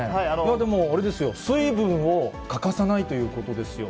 でも、あれですよ、水分を欠かさないということですよ。